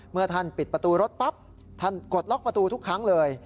เมื่อท่านปิดประตูรถปั๊บท่านกดล็อกประตูทุกครั้งเลย